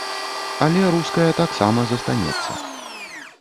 Але руская таксама застанецца.